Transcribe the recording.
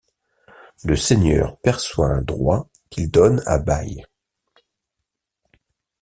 Le seigneur perçoit un droit qu'il donne à bail.